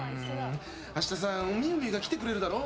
明日さ、みうみうが来てくれるだろ。